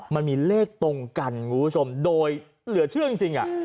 มันมีเลขตรงกันคุณผู้ชมโดยเหลือเชื่อจริง